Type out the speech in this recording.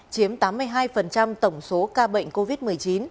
chiếm tám mươi hai tổng số ca bệnh covid một mươi chín